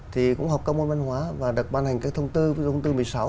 thì cũng học các môn văn hóa và được ban hành các thông tư thông tư một mươi sáu